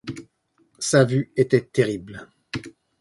Sa vue était terrible.